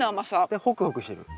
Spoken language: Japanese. でホクホクしてる？